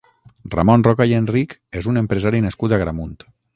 Ramon Roca i Enrich és un empresari nascut a Agramunt.